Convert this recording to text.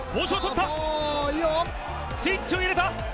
スイッチを入れた。